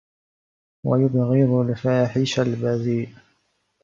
وَيُبْغِضُ الْفَاحِشَ الْبَذِيءُ